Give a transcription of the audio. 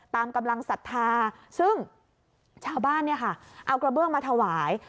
กำลังศรัทธาซึ่งชาวบ้านเนี่ยค่ะเอากระเบื้องมาถวาย